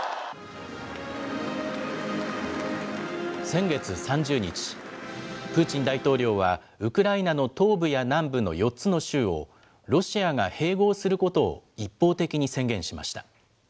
先月３０日、プーチン大統領は、ウクライナの東部や南部の４つの州を、ロシアが併合することを一方的に宣言しました。